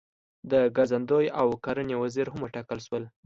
د ګرځندوی او کرنې وزیر هم وټاکل شول.